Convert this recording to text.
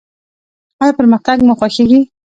ایا پرمختګ مو خوښیږي؟